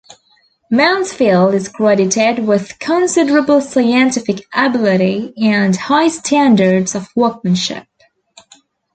Mansfield is credited with considerable scientific ability and high standards of workmanship.